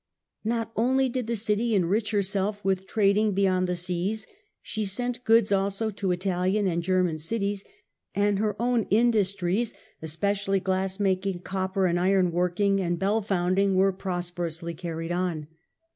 Not only did the city enrich herself with trading beyond the seas ; she sent goods also to Italian and German cities ; and her own indus ^ See Genealogical Table. ITALY, 1313 1378 93 tries, especially glass making, copper and iron working, and bell founding were prosperously carried on.